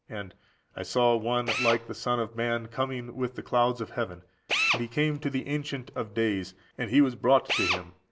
and, "I saw one like the Son of man coming with the clouds of heaven; and he came to the Ancient of days, and he was brought to Him.